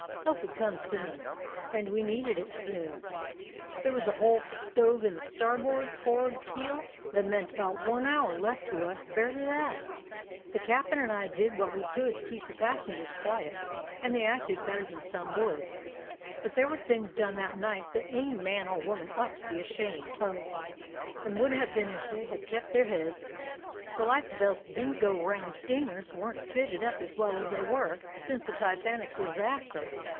Help would come soon. "And we needed it soon. There was a hole stove in the starboard for'ard keel that meant about one hour left to us; barely that. The cap'n and I did what we could to keep the pas sengers quiet, and they acted better than some would. But there were things done that night that any man or woman ought to be ashamed 227 DOG HEROES OF MANY LANDS of, and would have been if they had kept their heads. The life belts didn't go around — steamers were n't fitted up as well as they are since the Titanic disaster.